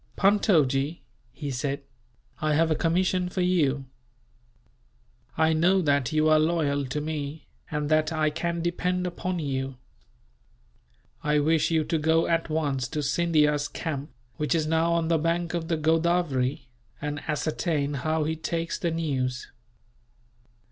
"Puntojee," he said, "I have a commission for you. I know that you are loyal to me, and that I can depend upon you. I wish you to go at once to Scindia's camp, which is now on the bank of the Godavery, and ascertain how he takes the news.